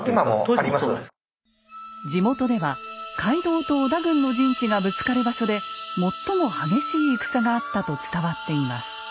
地元では街道と織田軍の陣地がぶつかる場所で最も激しい戦があったと伝わっています。